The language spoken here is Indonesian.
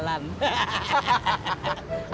sampeembos kan mor